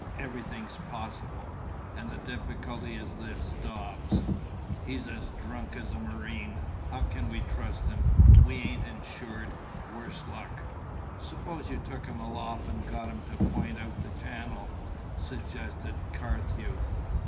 Everything's possible! And the difficulty is this Dobbs. He's as drunk as a marine. How can we trust him? We ain't insured worse luck!" "Suppose you took him aloft and got him to point out the channel?" suggested Carthew.